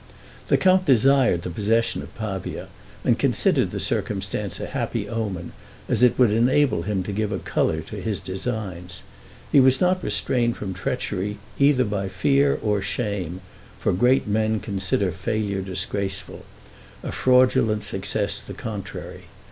The count desired the possession of Pavia, and considered the circumstance a happy omen, as it would enable him to give a color to his designs. He was not restrained from treachery either by fear or shame; for great men consider failure disgraceful, a fraudulent success the contrary.